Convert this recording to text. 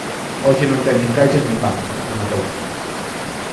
Hoxe non ten nin caixas nin banco, rematou.